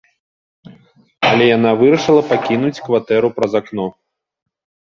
Але яна вырашыла пакінуць кватэру праз акно.